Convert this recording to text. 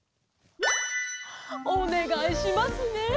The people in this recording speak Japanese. おねがいしますね。